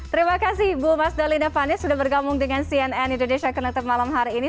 terima kasih ibu mas dalina vanes sudah bergabung dengan cnn indonesia connected malam hari ini